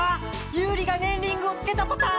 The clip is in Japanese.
ユウリがねんリングをつけたポタ！